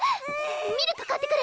ミルク買ってくる！